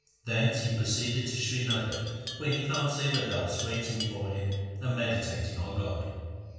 Thence he pro ceeded to Srinagar, where he found Sewa Das waiting for him and meditating on God.